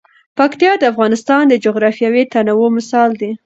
پکتیکا د افغانستان د جغرافیوي تنوع مثال دی.